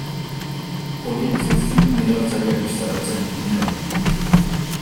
Hori ari zaizkigu migratzaileak bistaratzen, uneoro.